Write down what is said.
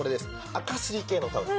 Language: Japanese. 垢すり系のタオル。